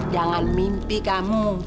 jangan mimpi kamu